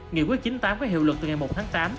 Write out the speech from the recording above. nghị quyết chín mươi tám có hiệu lực từ ngày một tháng tám